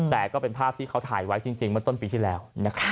แต่ก็เป็นภาพที่เขาถ่ายไว้จริงเมื่อต้นปีที่แล้ว